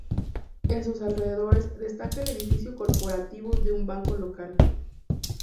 En sus alrededores destaca el edificio corporativo de un banco local.